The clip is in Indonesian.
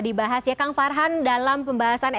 dibahas ya kang farhan dalam pembahasan